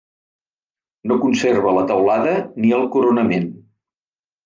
No conserva la teulada ni el coronament.